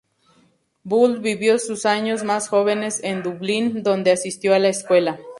Bull vivió sus años más jóvenes en Dublín, donde asistió a la escuela.